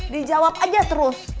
dijawab aja terus